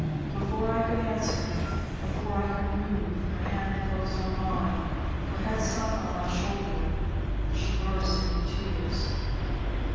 Before I could answer, before I could move, her hand closed on mine; her head sunk on my shoulder: she burst into tears.